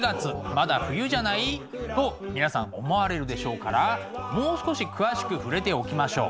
「まだ冬じゃない？」と皆さん思われるでしょうからもう少し詳しく触れておきましょう。